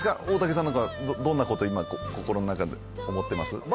大竹さんの場合どんなこと今心の中で思ってます？